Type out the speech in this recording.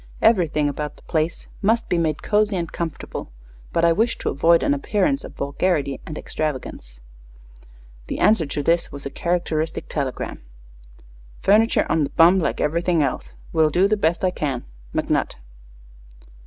Everything about the place must be made cozy and comfortable, but I wish to avoid an appearance of vulgarity or extravagance." The answer to this was a characteristic telegram: Furniture on the bum, like everything else. Will do the best I can. McNutt.